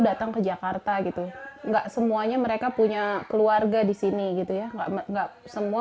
datang ke jakarta gitu enggak semuanya mereka punya keluarga di sini gitu ya enggak enggak semua